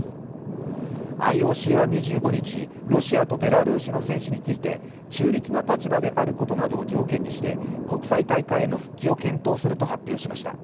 ＩＯＣは２５日、ロシアとベラルーシの選手について、中立な立場であることなどを条件にして国際大会への復帰を検討すると発表しました。